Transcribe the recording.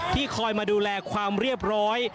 คอยมาดูแลความเรียบร้อย